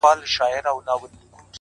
قلندر پر کرامت باندي پښېمان سو!.